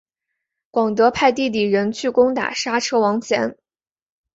广德派弟弟仁去攻打莎车王贤。